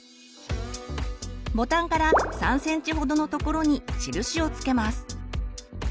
ボタンから３ｃｍほどのところに印を付けます。